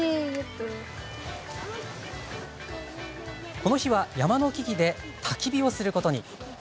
この日は、山の木々でたき火をすることに。